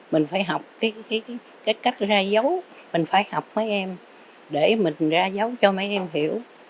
mình phải học cái cách ra dấu mình phải học mấy em để mình ra dấu cho mấy em hiểu